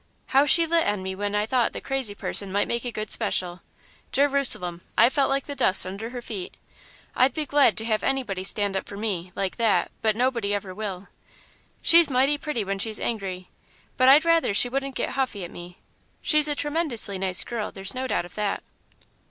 "How she lit on me when I thought the crazy person might make a good special! Jerusalem! I felt like the dust under her feet. I'd be glad to have anybody stand up for me, like that, but nobody ever will. She's mighty pretty when she's angry, but I'd rather she wouldn't get huffy at me. She's a tremendously nice girl there's no doubt of that."